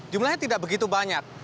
jumlahnya tidak begitu banyak